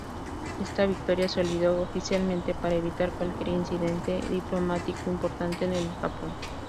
Esta victoria se "olvidó" oficialmente para evitar cualquier incidente diplomático importante con el Japón.